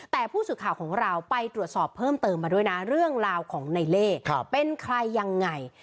แต่ผู้สื่อข่าวของเราไปตรวจสอบเพิ่มเติมมาด้วยนะเรื่องราวของในเล่เป็นใครยังไง